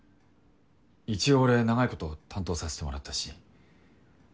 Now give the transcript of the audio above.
一応俺長いこと担当させてもらったし。